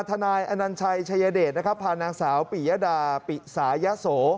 นายอนัญชัยชายเดชนะครับพานางสาวปิยดาปิสายโส